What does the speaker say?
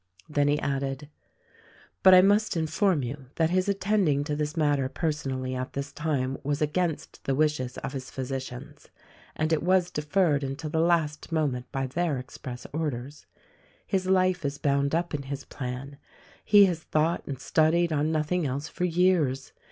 Then he added: "But I must inform you that his attending to this matter personally at this time was against the wishes of his physicians, and it was deferred until the last moment by their express orders. His life is bound up in his plan. He has thought and studied on nothing else for years.